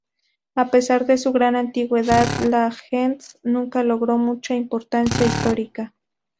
A pesar de su gran antigüedad, la "gens" nunca logró mucha importancia histórica.